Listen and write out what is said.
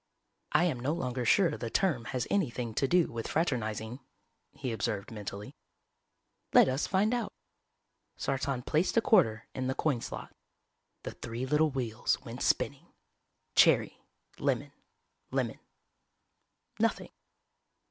"I am no longer sure the term has anything to do with fraternizing," he observed mentally. "Let us find out." Sartan placed a quarter in the coin slot. The three little wheels went spinning. Cherry. Lemon. Lemon. Nothing.